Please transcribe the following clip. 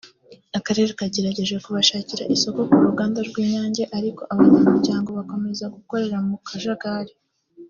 akarere kagerageje kubashakira isoko ku ruganda rw’Inyange ariko abanyamuryango bakomeza gukorera mu kajagari